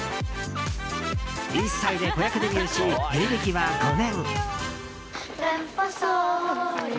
１歳で子役デビューし芸歴は５年。